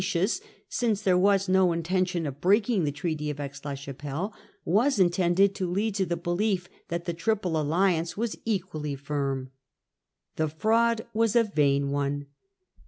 cious— since there was no intention of breaking the Treaty of Aix la Chapelle — was intended to lead to the _ belief that the Triple Alliance was equally the Com firm. The fraud was a vain one.